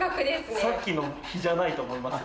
さっきの比じゃないと思いますよ。